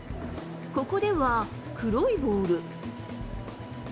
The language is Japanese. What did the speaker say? ここでは黒いボール。